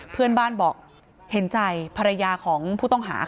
เพื่อนบ้านบอกเห็นใจภรรยาของผู้ต้องหา